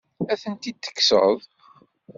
Ad tent-id-tekkseḍ?